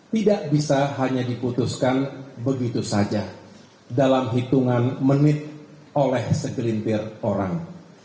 tidak bisa hanya diputuskan begitu saja dalam hitungan menit oleh segelintir orang